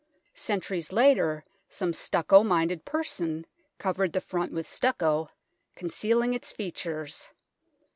Centuries later some stucco minded person covered the front with stucco, concealing its features.